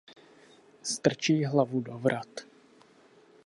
Strčí hlavu do vrat.